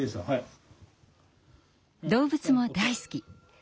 動物も大好き。